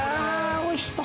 おいしそう！